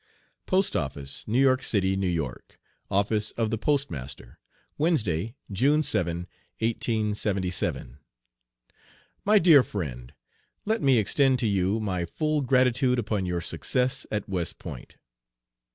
POST OFFICE, NEW YORK CITY, N. Y. OFFICE OF THE POSTMASTER, Wednesday, June 7, 1877. MY DEAR FRIEND: Let me extend to you my full gratitude upon your success at West Point.